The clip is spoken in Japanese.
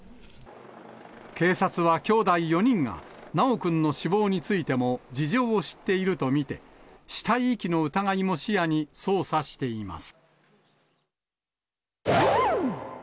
警察はきょうだい４人が、修くんの死亡についても事情を知っていると見て、死体遺棄の疑いも視野に捜査しています。